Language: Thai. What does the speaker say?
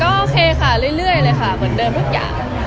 ก็โอเคค่ะเรื่อยเลยค่ะเหมือนเดิมทุกอย่าง